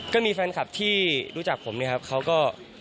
ก็มีแฟนคลับที่รู้จักผมเนี่ยครับเขาก็